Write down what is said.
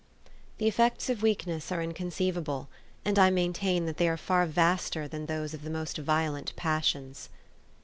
The effects of weakness are inconceivable, and I maintain that they are far vaster than those of the most violent passions."